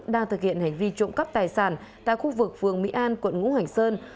đang thực hiện hành vi trộm cắp tài sản tại khu vực phường mỹ an quận ngũ hành sơn